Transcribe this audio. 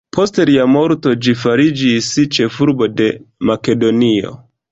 Post lia morto ĝi fariĝis ĉefurbo de Makedonio.